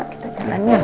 kita calon yuk mas